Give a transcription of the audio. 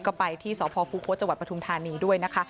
ก็ไปที่สภพุคตรจปทุมธานีด้วยนะคะ